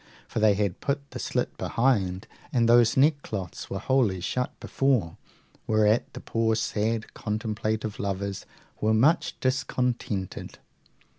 For they had put the slit behind, and those neckcloths were wholly shut before, whereat the poor sad contemplative lovers were much discontented.